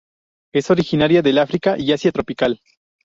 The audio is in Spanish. Es originaria del África y Asia tropical.